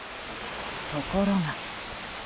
ところが。